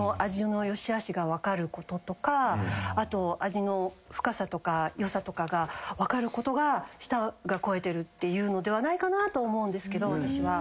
あと味の深さとか良さとかが分かることが舌が肥えてるって言うのではないかなと思うんですけど私は。